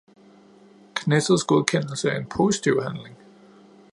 Knessets godkendelse er en positiv handling.